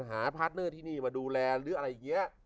พาร์ทเนอร์ที่นี่มาดูแลหรืออะไรอย่างนี้